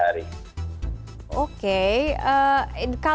jadi kalau kita bisa ikut bisa